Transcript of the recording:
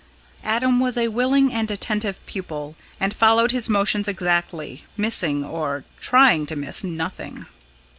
Adam was a willing and attentive pupil, and followed his motions exactly, missing or trying to miss nothing.